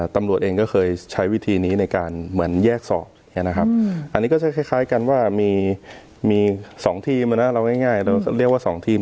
ตำรวจเองก็เคยใช้วิธีนี้ในการเหมือนแยกสอบอย่างนี้นะครับอันนี้ก็จะคล้ายกันว่ามี๒ทีมเราง่ายเราเรียกว่า๒ทีม